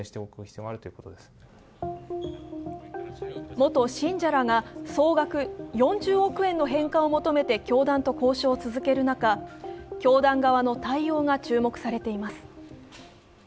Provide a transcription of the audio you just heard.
元信者らが総額４０億円の返還を求めて教団と交渉を続ける中、教団側の対応が注目されています。